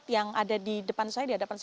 yang ada di depan saya